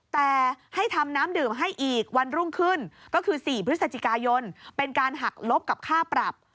แต่ให้ทำน้ำดื่มให้อีกวันรุ่งขึ้นก็คือ๔พฤศจิกายนเป็นการหักลบกับค่าปรับ